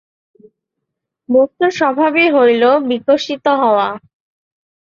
বস্তুর স্বভাবই হইল বিকশিত হওয়া।